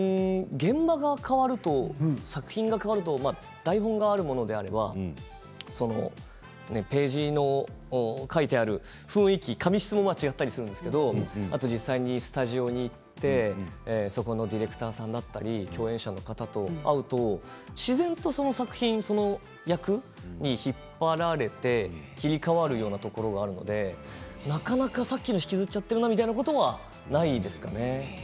現場が変わると作品が変わると台本があるものであればそのページの書いてある雰囲気紙質も違ったりするんですけどあと実際にスタジオに行ってそこのディレクターさんだったり共演者の方と会うと自然とその作品その役に引っ張られて切り替わるようなところがあるので、なかなかさっきの引きずっちゃってるなみたいなものは、ないですかね。